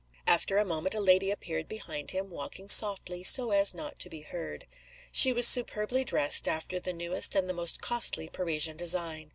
After a moment a lady appeared behind him, walking softly, so as not to be heard. She was superbly dressed after the newest and the most costly Parisian design.